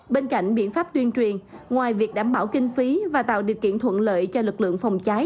bên cạnh biện pháp tuyên truyền ngoài việc đảm bảo kinh phí và tạo điều kiện thuận lợi cho lực lượng phòng cháy